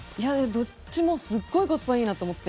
どっちもすごいコスパいいなと思って